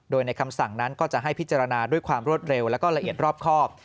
โดยในคำสั่งนั้นก็จะให้พิจารณาด้วยความรวดเร็วแล้วก็ละเอียดรอบครอบ